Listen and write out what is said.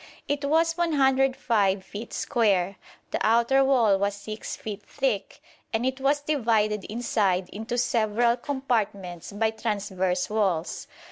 It was 105 feet square; the outer wall was 6 feet thick, and it was divided inside into several compartments by transverse walls.